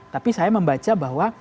tapi saya membaca bahwa